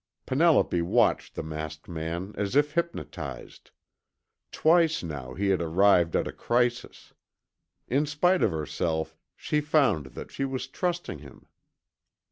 Penelope watched the masked man as if hypnotized. Twice now he had arrived at a crisis. In spite of herself, she found that she was trusting him.